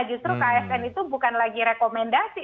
justru ksn itu bukan lagi rekomendasi